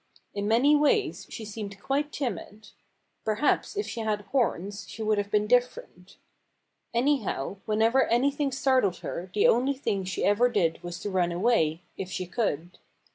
In many ways she seemed quite timid. Perhaps if she had had horns she would have been different. Anyhow, whenever anything startled her the only thing she ever did was to run away, if she could.